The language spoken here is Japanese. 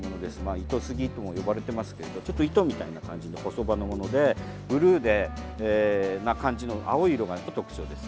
イトスギとも呼ばれていますけど糸みたいに細葉のものでブルーな感じの青い色が特徴です。